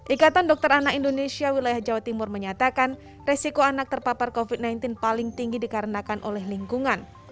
ikatan dokter anak indonesia wilayah jawa timur menyatakan resiko anak terpapar covid sembilan belas paling tinggi dikarenakan oleh lingkungan